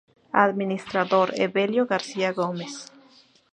Administrador: Evelio García Gómez.